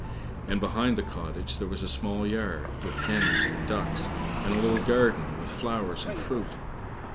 And behind the cottage there was a small yard, with hens and ducks, and a little garden with flowers and fruit.